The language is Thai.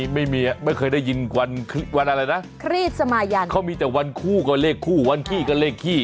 ไม่เคยได้ยินวันอะไรนะครีบสมายันเขามีแต่วันคู่กับเลขคู่วันขี้ก็เลขขี้